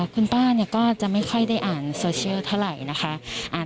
คุณป้าก็จะไม่ค่อยได้อ่านโซเชียลเท่าไหร่นะคะ